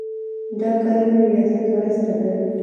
د کرنې ریاستونه مرسته کوي.